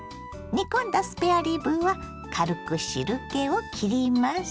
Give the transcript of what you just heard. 煮込んだスペアリブは軽く汁けをきります。